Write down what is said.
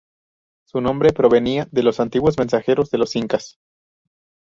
Su nombre provenía de los antiguos mensajeros de los incas.